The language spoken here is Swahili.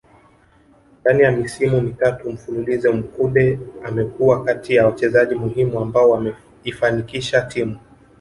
Ndani ya misimu mitatu mfululizo Mkude amekuwa kati ya wachezaji muhimu ambao wameifanikisha timu